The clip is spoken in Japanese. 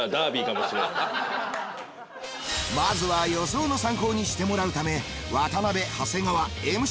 まずは予想の参考にしてもらうため渡辺長谷川ＭＣ